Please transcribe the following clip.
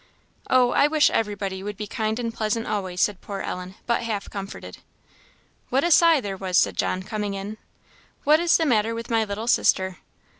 "Oh, I wish everybody would be kind and pleasant always!" said poor Ellen, but half comforted. "What a sigh was there!" said John, coming in. "What is the matter with my little sister?"